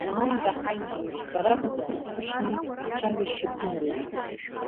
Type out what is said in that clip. Ааи, Раҳаима, бара быԥҳәыс ҟәышми, ацәажәашьа бдыруеит.